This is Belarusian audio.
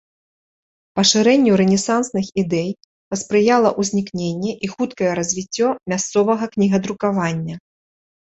Пашырэнню рэнесансных ідэй паспрыяла ўзнікненне і хуткае развіццё мясцовага кнігадрукавання.